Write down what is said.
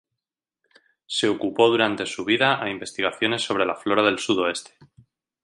Se ocupó durante su vida a investigaciones sobre la flora del Sudoeste.